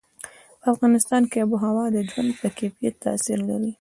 په افغانستان کې آب وهوا د ژوند په کیفیت تاثیر لري.